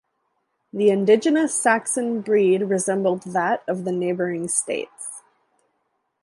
The indigenous Saxon breed resembled that of the neighbouring states.